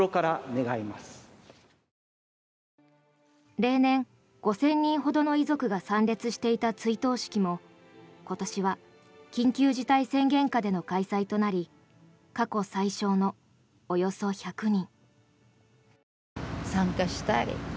例年、５０００人ほどの遺族が参列していた追悼式も今年は緊急事態宣言下での開催となり過去最少のおよそ１００人。